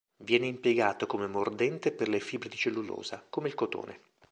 Viene impiegato come mordente per le fibre di cellulosa, come il cotone.